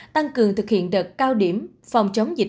tăng cường thực hiện đợt cao điểm phòng chống dịch